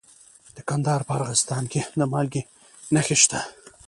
د کندهار په ارغستان کې د مالګې نښې شته.